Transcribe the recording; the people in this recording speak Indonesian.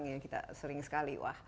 jadi apa yang harus dilakukan